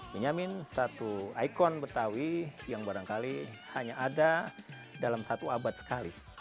menyamin satu ikon betawi yang barangkali hanya ada dalam satu abad sekali